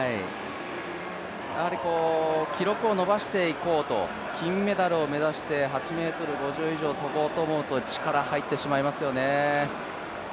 やはり記録を伸ばしていこうと、金メダルを目指して８ｍ５０以上を跳ぼうと思うと力入ってしまいますよね。